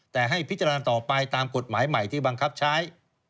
แต่ให้พิจารณาต่อไปตามกฎหมายใหม่ที่บังคับใช้